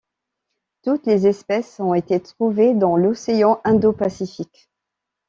Toutes les espèces ont été trouvées dans l'Océan Indo-Pacifique.